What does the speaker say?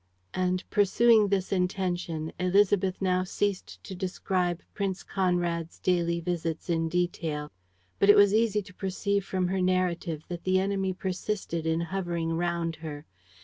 ..." And, pursuing this intention, Élisabeth now ceased to describe Prince Conrad's daily visits in detail; but it was easy to perceive from her narrative that the enemy persisted in hovering round her.